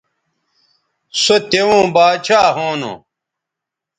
سو توؤں باچھا ھونو